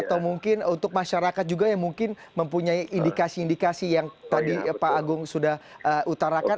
atau mungkin untuk masyarakat juga yang mungkin mempunyai indikasi indikasi yang tadi pak agung sudah utarakan